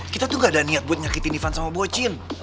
kita tuh gak ada niat buat nyakitin ivan sama bocin